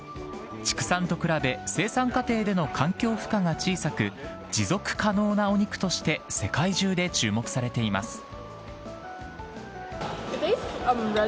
畜産と比べ生産過程での環境負荷が小さく、持続可能なお肉として、世界中で注目されています。